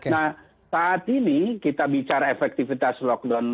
nah saat ini kita bicara efektivitas lockdown